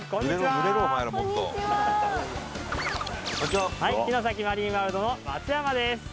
城崎マリンワールドの松山です